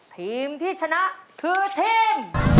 ทีมที่ชนะคือทีม